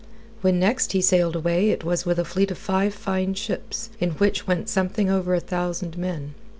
When next he sailed away it was with a fleet of five fine ships in which went something over a thousand men.